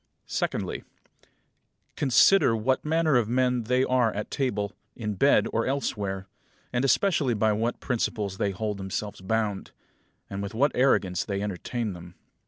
Secondly: Consider what manner of men they are at table, in bed, or elsewhere; and especially by what principles they hold themselves bound, and with what arrogance they entertain them.